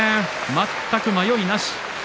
全く迷いなし。